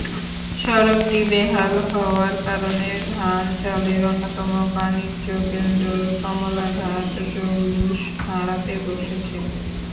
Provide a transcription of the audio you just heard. সড়কটি বেহাল হওয়ার কারণে ধান-চালের অন্যতম বাণিজ্যকেন্দ্র কমলাঘাট জৌলুশ হারাতে বসেছে।